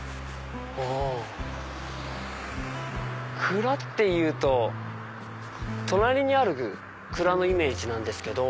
蔵っていうと隣にある蔵のイメージなんですけど。